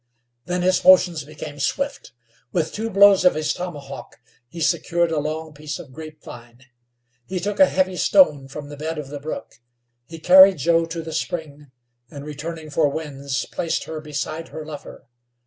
Then his motions became swift. With two blows of his tomahawk he secured a long piece of grapevine. He took a heavy stone from the bed of the brook. He carried Joe to the spring, and, returning for Winds, placed her beside her lover.